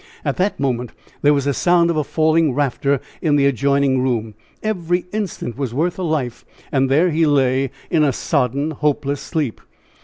At that moment there was the sound of a falling rafter in the adjoining room. Every instant was worth a life, and there he lay in a sodden, hopeless sleep.